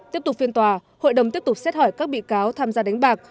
tiếp tục phiên tòa hội đồng tiếp tục xét hỏi các bị cáo tham gia đánh bạc